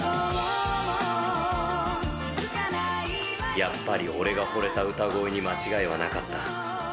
やっぱり俺がほれた歌声に間違いはなかった。